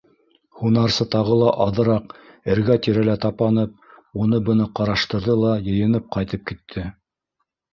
Һунарсы тағы ла аҙыраҡ эргә-тирәлә тапанып, уны-быны ҡараштырҙы ла йыйынып ҡайтып китте.